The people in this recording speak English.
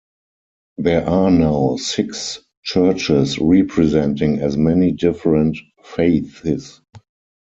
There are now six churches, representing as many different faiths.